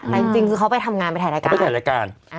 แต่จริงคือเขาไปทำงานไปถ่ายรายการ